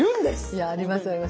いやありますあります。